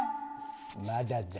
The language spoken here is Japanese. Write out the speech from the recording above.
まだだ。